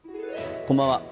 こんばんは。